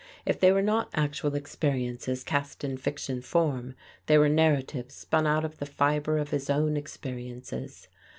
If they were not actual experiences cast in fiction form, they were narratives spun out of the fiber of his own experiences.